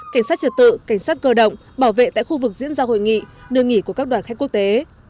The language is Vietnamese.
cảnh sát trật tự cảnh sát cơ động bảo vệ tại khu vực diễn ra hội nghị nơi nghỉ của các đoàn khách quốc tế